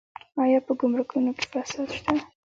آیا په ګمرکونو کې فساد شته؟